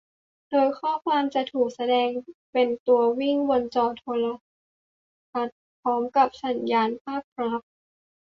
โดยข้อความจะถูกแสดงเป็นตัววิ่งบนจอโทรทัศน์พร้อมกับสัญญาณภาพครับ